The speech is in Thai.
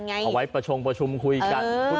เอาไว้ประชงประชุมคุยกัน